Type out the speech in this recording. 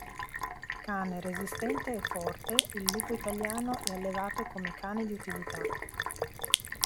Cane resistente e forte, il Lupo Italiano è allevato come cane di utilità.